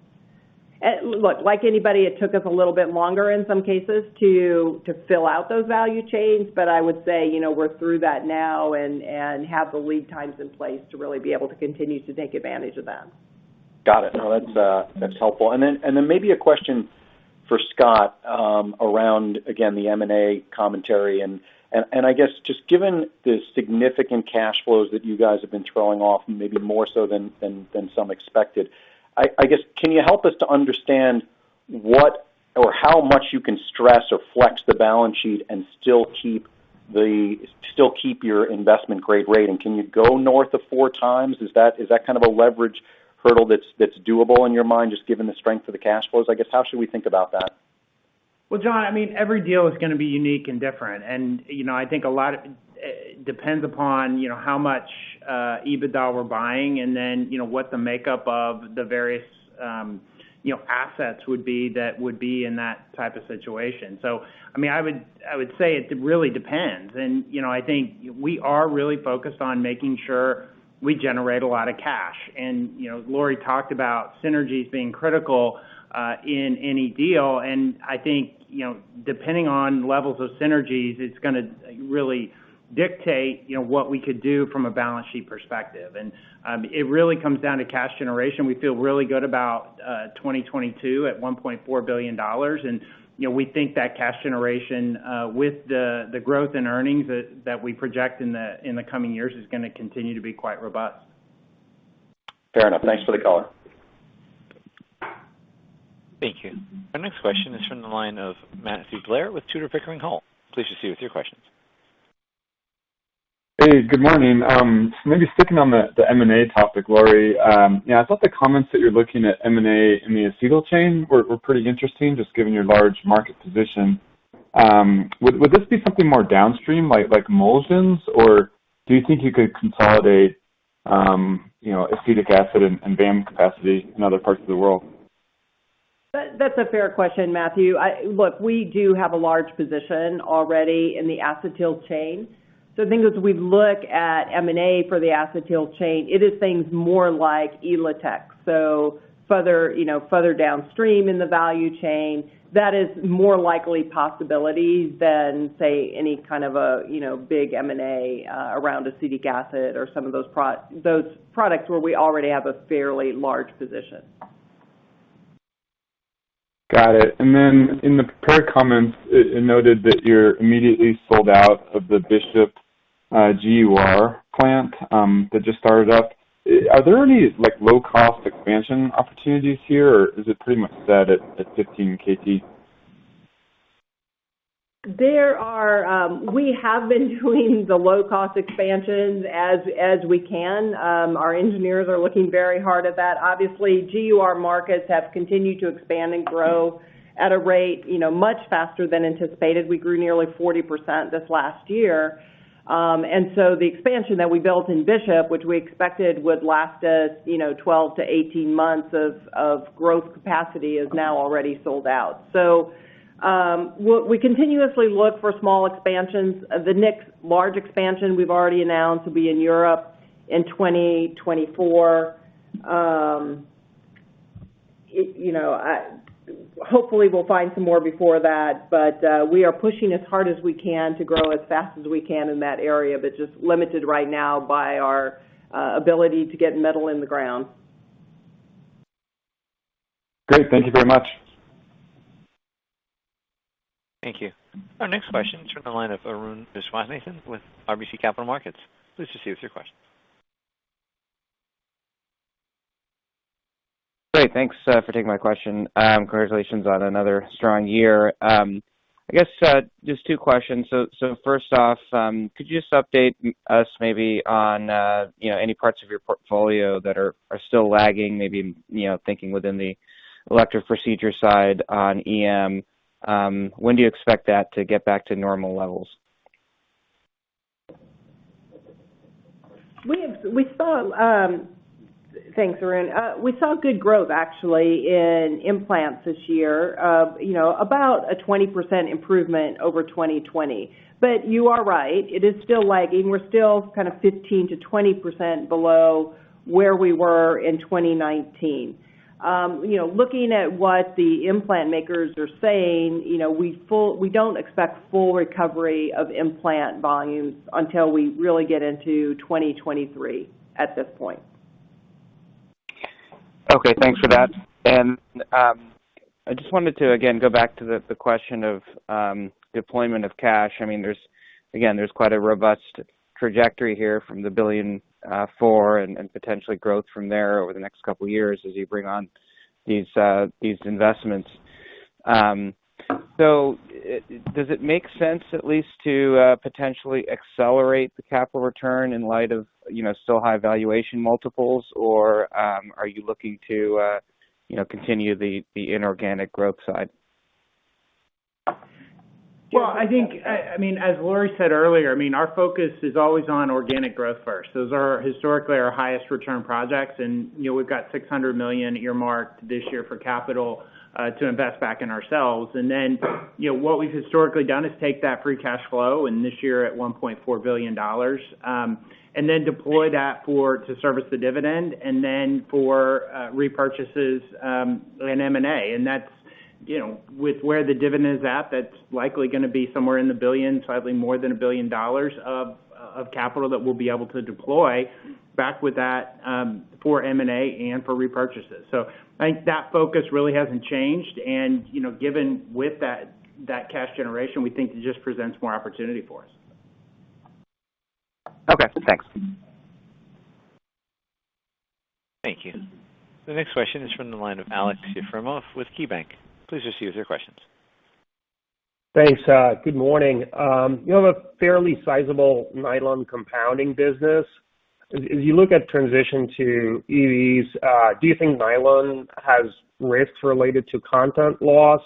Look, like anybody, it took us a little bit longer in some cases to fill out those value chains, but I would say, you know, we're through that now and have the lead times in place to really be able to continue to take advantage of that. Got it. No, that's helpful. Then maybe a question for Scott around again the M&A commentary. I guess just given the significant cash flows that you guys have been throwing off, maybe more so than some expected, I guess, can you help us to understand what or how much you can stress or flex the balance sheet and still keep your investment-grade rating. Can you go north of four times? Is that kind of a leverage hurdle that's doable in your mind, just given the strength of the cash flows, I guess? How should we think about that? Well, John, I mean, every deal is gonna be unique and different. You know, I think a lot of depends upon, you know, how much EBITDA we're buying and then, you know, what the makeup of the various, you know, assets would be that would be in that type of situation. I mean, I would say it really depends. You know, I think we are really focused on making sure we generate a lot of cash. You know, Lori talked about synergies being critical in any deal. I think, you know, depending on levels of synergies, it's gonna really dictate, you know, what we could do from a balance sheet perspective. It really comes down to cash generation. We feel really good about 2022 at $1.4 billion. You know, we think that cash generation with the growth in earnings that we project in the coming years is gonna continue to be quite robust. Fair enough. Thanks for the color. Thank you. Our next question is from the line of Matthew Blair with Tudor, Pickering, Holt. Please proceed with your questions. Hey, good morning. Maybe sticking on the M&A topic, Lori. Yeah, I thought the comments that you're looking at M&A in the Acetyl Chain were pretty interesting, just given your large market position. Would this be something more downstream, like emulsions? Or do you think you could consolidate, you know, acetic acid and VAM capacity in other parts of the world? That's a fair question, Matthew. Look, we do have a large position already in the Acetyl Chain. I think as we look at M&A for the Acetyl Chain, it is things more like Elotex. Further, you know, further downstream in the value chain, that is more likely possibility than, say, any kind of a, you know, big M&A around acetic acid or some of those products where we already have a fairly large position. Got it. In the prepared comments, it noted that you're immediately sold out of the Bishop GUR plant that just started up. Are there any, like, low-cost expansion opportunities here, or is it pretty much set at 15 KT? We have been doing the low-cost expansions as we can. Our engineers are looking very hard at that. Obviously, GUR markets have continued to expand and grow at a rate, you know, much faster than anticipated. We grew nearly 40% this last year. The expansion that we built in Bishop, which we expected would last us, you know, 12-18 months of growth capacity, is now already sold out. We continuously look for small expansions. The next large expansion we've already announced will be in Europe in 2024. You know, hopefully, we'll find some more before that, but we are pushing as hard as we can to grow as fast as we can in that area, but just limited right now by our ability to get metal in the ground. Great. Thank you very much. Thank you. Our next question is from the line of Arun Viswanathan with RBC Capital Markets. Please proceed with your question. Great. Thanks for taking my question. Congratulations on another strong year. I guess just two questions. First off, could you just update us maybe on, you know, any parts of your portfolio that are still lagging, maybe, you know, thinking within the elective procedure side on EM? When do you expect that to get back to normal levels? Thanks, Arun. We saw good growth actually in implants this year of, you know, about a 20% improvement over 2020. You are right, it is still lagging. We're still kind of 15%-20% below where we were in 2019. You know, looking at what the implant makers are saying, you know, we don't expect full recovery of implant volumes until we really get into 2023 at this point. Okay. Thanks for that. I just wanted to, again, go back to the question of deployment of cash. I mean, there's quite a robust trajectory here from the $1.4 billion and potentially growth from there over the next couple years as you bring on these investments. Does it make sense at least to potentially accelerate the capital return in light of you know still high valuation multiples? Or are you looking to you know continue the inorganic growth side? Well, I think, I mean, as Lori said earlier, I mean, our focus is always on organic growth first. Those are historically our highest return projects. You know, we've got $600 million earmarked this year for capital to invest back in ourselves. Then, you know, what we've historically done is take that free cash flow, and this year at $1.4 billion, and then deploy that to service the dividend and then for repurchases and M&A. That's, you know, with where the dividend is at, that's likely gonna be somewhere in the $1 billion, slightly more than $1 billion of capital that we'll be able to deploy back with that for M&A and for repurchases. I think that focus really hasn't changed. You know, given with that cash generation, we think it just presents more opportunity for us. Okay. Thanks. Thank you. The next question is from the line of Aleksey Yefremov with KeyBanc. Please proceed with your questions. Thanks, good morning. You have a fairly sizable nylon compounding business. As you look at transition to EVs, do you think nylon has risks related to content loss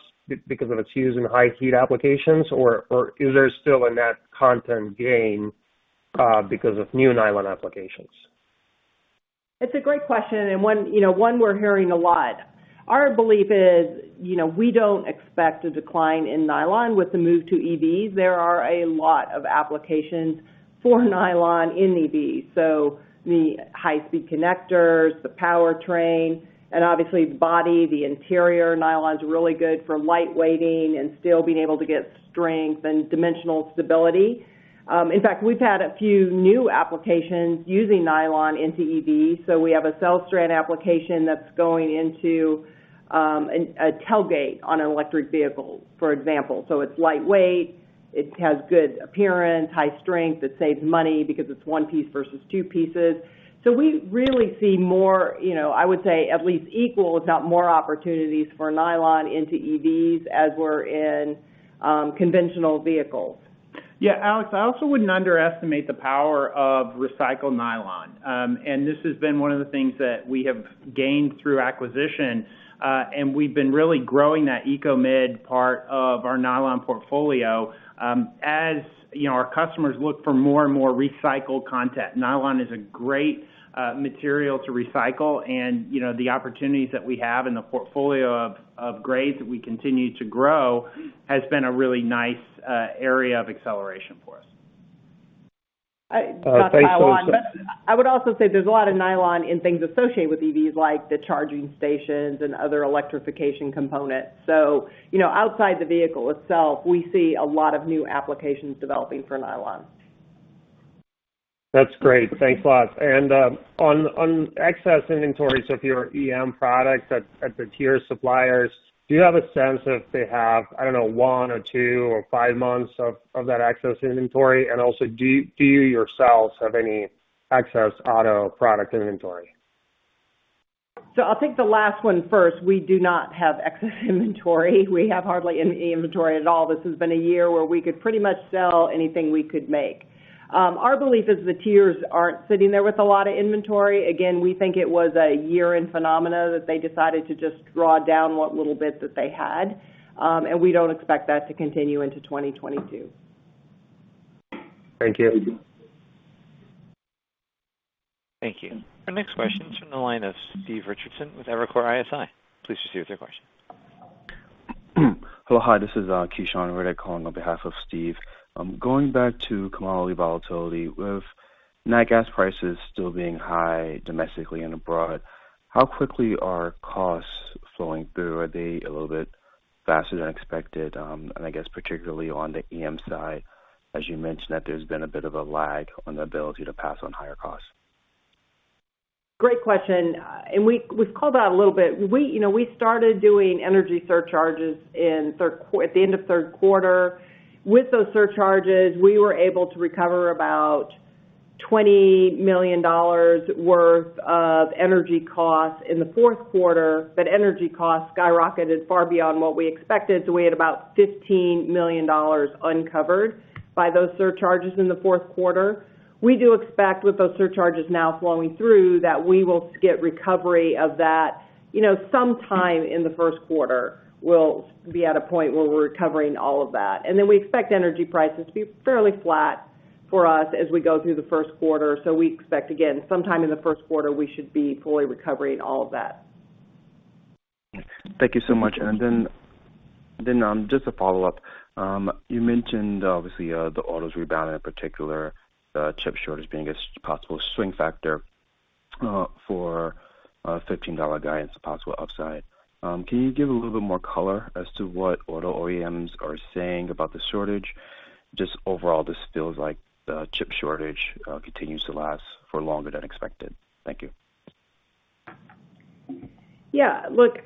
because if it's used in high heat applications or is there still a net content gain because of new nylon applications? It's a great question and one we're hearing a lot. Our belief is, you know, we don't expect a decline in nylon with the move to EVs. There are a lot of applications for nylon in EVs. The high-speed connectors, the powertrain, and obviously the body, the interior nylon is really good for light weighting and still being able to get strength and dimensional stability. In fact, we've had a few new applications using nylon into EVs. We have a Celstran application that's going into a tailgate on an electric vehicle, for example. It's lightweight, it has good appearance, high strength. It saves money because it's one piece versus two pieces. We really see more, you know, I would say at least equal, if not more opportunities for nylon into EVs as we're in conventional vehicles. Yeah, Alek, I also wouldn't underestimate the power of recycled nylon. This has been one of the things that we have gained through acquisition, and we've been really growing that ECOMID part of our nylon portfolio. As you know, our customers look for more and more recycled content, nylon is a great material to recycle. You know, the opportunities that we have in the portfolio of grades that we continue to grow has been a really nice area of acceleration for us. Thanks so much. I would also say there's a lot of nylon in things associated with EVs, like the charging stations and other electrification components. You know, outside the vehicle itself, we see a lot of new applications developing for nylon. That's great. Thanks a lot. On excess inventories of your EM products at the tier suppliers, do you have a sense if they have, I don't know, one or two or five months of that excess inventory? Also do you yourselves have any excess auto product inventory? I'll take the last one first. We do not have excess inventory. We have hardly any inventory at all. This has been a year where we could pretty much sell anything we could make. Our belief is the tiers aren't sitting there with a lot of inventory. Again, we think it was a year-end phenomenon that they decided to just draw down what little bit that they had. We don't expect that to continue into 2022. Thank you. Thank you. Our next question is from the line of Steve Richardson with Evercore ISI. Please proceed with your question. Hello. Hi, this is Kishan Reddy calling on behalf of Steve. Going back to commodity volatility, with nat gas prices still being high domestically and abroad, how quickly are costs flowing through? Are they a little bit faster than expected? I guess particularly on the EM side, as you mentioned, that there's been a bit of a lag on the ability to pass on higher costs. Great question. We've called out a little bit. You know, we started doing energy surcharges at the end of third quarter. With those surcharges, we were able to recover about $20 million worth of energy costs in the fourth quarter, but energy costs skyrocketed far beyond what we expected, so we had about $15 million uncovered by those surcharges in the fourth quarter. We do expect with those surcharges now flowing through, that we will get recovery of that, you know, sometime in the first quarter, we'll be at a point where we're recovering all of that. Then we expect energy prices to be fairly flat for us as we go through the first quarter. We expect, again, sometime in the first quarter, we should be fully recovering all of that. Thank you so much. Just a follow-up. You mentioned obviously the autos rebound, in particular the chip shortage being a possible swing factor for $15 guidance possible upside. Can you give a little bit more color as to what auto OEMs are saying about the shortage? Just overall, this feels like the chip shortage continues to last for longer than expected. Thank you. Yeah, look,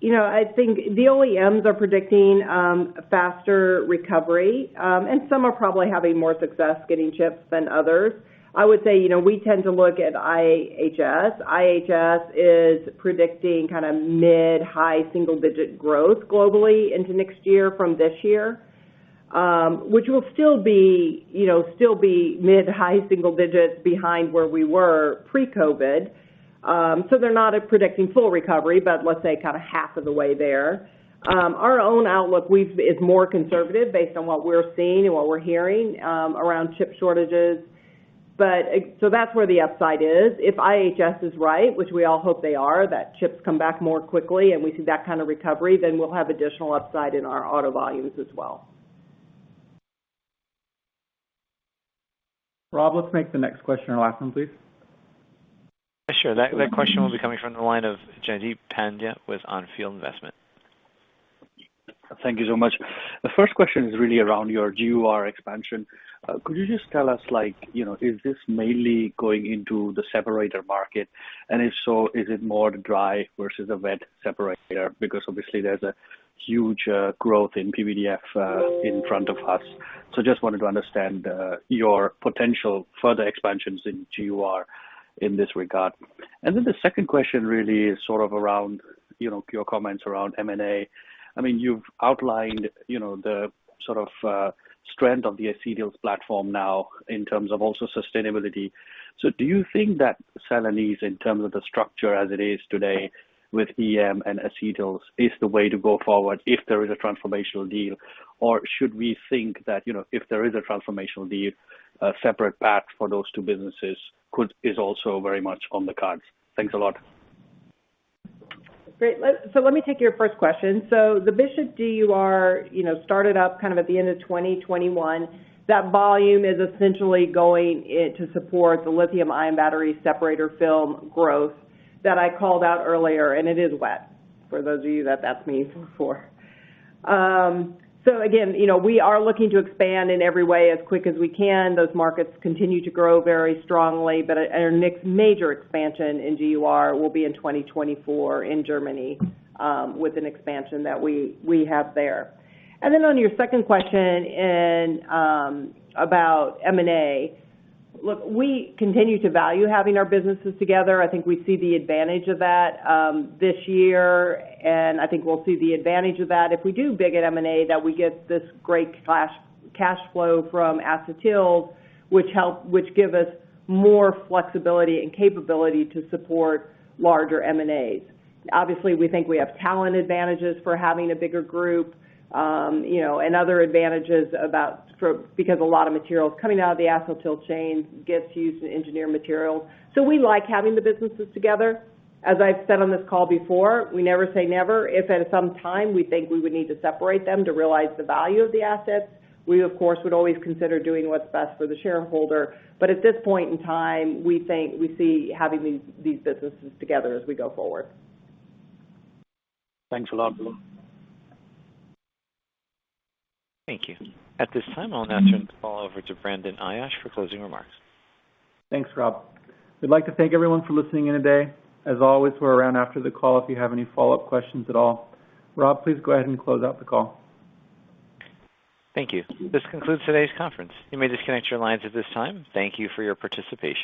you know, I think the OEMs are predicting a faster recovery, and some are probably having more success getting chips than others. I would say we tend to look at IHS. IHS is predicting kind of mid-high single digit growth globally into next year from this year, which will still be mid-high single digits behind where we were pre-COVID. So they're not predicting full recovery, but let's say kind of half of the way there. Our own outlook is more conservative based on what we're seeing and what we're hearing around chip shortages. That's where the upside is. If IHS is right, which we all hope they are, that chips come back more quickly and we see that kind of recovery, then we'll have additional upside in our auto volumes as well. Rob, let's make the next question our last one, please. Sure. That question will be coming from the line of Jaideep Pandya with On Field Investment. Thank you so much. The first question is really around your GUR expansion. Could you just tell us, like, you know, is this mainly going into the separator market? And if so, is it more dry versus a wet separator? Because obviously there's a huge growth in PVDF in front of us. Just wanted to understand your potential further expansions into GUR in this regard. Then the second question really is sort of around, you know, your comments around M&A. I mean, you've outlined, you know, the sort of strength of the Acetyls platform now in terms of also sustainability. Do you think that Celanese, in terms of the structure as it is today with EM and Acetyls, is the way to go forward if there is a transformational deal? Should we think that, you know, if there is a transformational deal, a separate path for those two businesses is also very much on the cards? Thanks a lot. Great. So let me take your first question. So the GUR, you know, started up kind of at the end of 2021. That volume is essentially going to support the lithium ion battery separator film growth that I called out earlier, and it is wet, for those of you that that's meaningful for. So again, you know, we are looking to expand in every way as quick as we can. Those markets continue to grow very strongly, and our next major expansion in GUR will be in 2024 in Germany, with an expansion that we have there. On your second question about M&A, look, we continue to value having our businesses together. I think we see the advantage of that this year, and I think we'll see the advantage of that if we do big at M&A, that we get this great cash flow from Acetyls, which give us more flexibility and capability to support larger M&As. Obviously, we think we have talent advantages for having a bigger group, you know, and other advantages about scope because a lot of materials coming out of the Acetyl Chain gets used in Engineered Materials. We like having the businesses together. As I've said on this call before, we never say never. If at some time we think we would need to separate them to realize the value of the assets, we of course would always consider doing what's best for the shareholder. At this point in time, we think we see having these businesses together as we go forward. Thanks a lot. Thank you. At this time, I'll now turn the call over to Brandon Ayache for closing remarks. Thanks, Rob. We'd like to thank everyone for listening in today. As always, we're around after the call if you have any follow-up questions at all. Rob, please go ahead and close out the call. Thank you. This concludes today's conference. You may disconnect your lines at this time. Thank you for your participation.